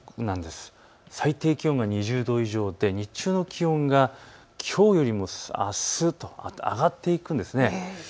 最低気温が２０度以上で日中の気温がきょうよりも上がっていくんです。